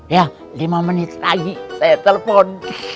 ya lima menit lagi saya telpon